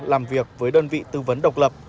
làm việc với đơn vị tư vấn độc lập